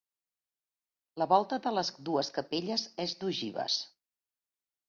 La volta de les dues capelles és d'ogives.